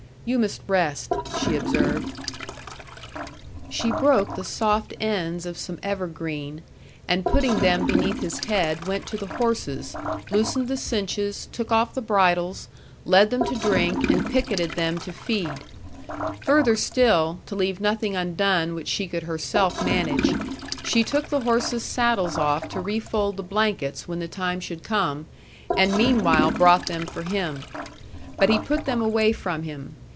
"You must rest," she observed. She broke the soft ends of some evergreen, and putting them beneath his head, went to the horses, loosened the cinches, took off the bridles, led them to drink, and picketed them to feed. Further still, to leave nothing undone which she could herself manage, she took the horses' saddles off to refold the blankets when the time should come, and meanwhile brought them for him. But he put them away from him.